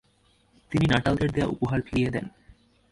তিনি নাটালদের দেয়া উপহার ফিরিয়ে দেন।